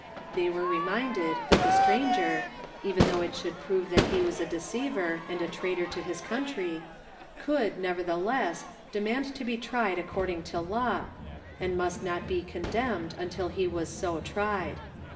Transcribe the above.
They were reminded that the stranger, even though it should prove that he was a de ceiver, and a traitor to his country, could, never "IF ANY MAN THIRST" 225 a sneer theless, demand to be tried according to law, and must not be condemned until he was so tried.